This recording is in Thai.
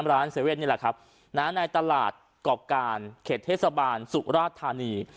ร้านเซเวทนี่แหละครับน้านายตลาดกรอบการเขตเทศบาลสุราชธานี